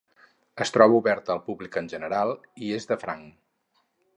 Es troba oberta al públic en general i és de franc.